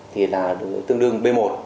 thì là tương đương b một